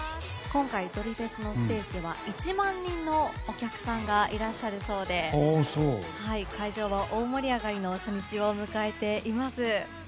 今回「ドリフェス」のステージでは１万人のお客さんがいらっしゃるそうで会場は大盛り上がりの初日を迎えています。